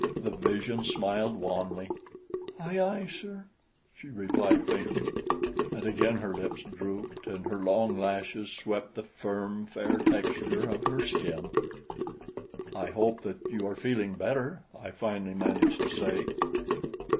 The vision smiled wanly. "Aye aye, sir!" she replied faintly, and again her lips drooped, and her long lashes swept the firm, fair texture of her skin. "I hope that you are feeling better," I finally managed to say.